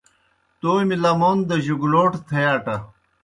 تومیْ لمون دہ جُگلوٹہ تھے اٹہ۔